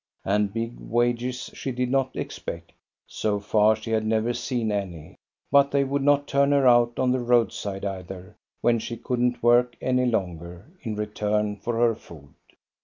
And big wages she did not expect; so far she had never seen any; but they would not turn her out on the roadside either, when she could n't work any longer in return for her food.